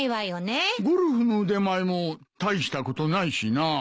ゴルフの腕前も大したことないしなぁ。